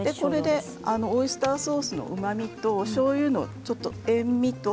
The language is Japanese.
オイスターソースのうまみとおしょうゆの塩みと